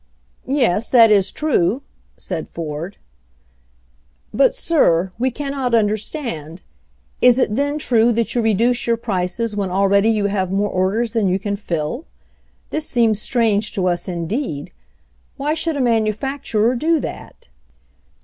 Tes, that is true," said Ford. 'But, sir, we cannot understand — is it then true that you reduce your prices when already you have more orders than you can fill ? This seems strange to us, indeed. Why should a manufac turer do that?"